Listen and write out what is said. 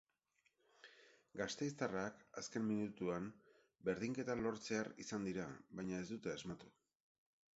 Gasteiztarrak azken minutuan berdinketa lortzear izan dira baina ez dute asmatu.